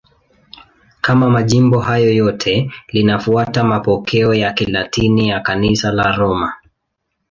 Kama majimbo hayo yote, linafuata mapokeo ya Kilatini ya Kanisa la Roma.